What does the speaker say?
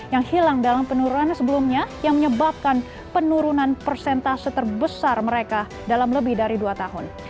yang hilang dalam penurunan sebelumnya yang menyebabkan penurunan persentase terbesar mereka dalam lebih dari dua tahun